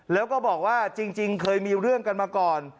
แล้วก็บอกว่าจริงเคยมีเรื่องกันมาก่อน